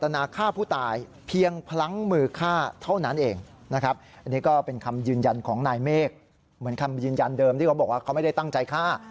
นายเมฆเหมือนคำยืนยันเดิมที่เขาบอกว่าเขาไม่ได้ตั้งใจฆ่า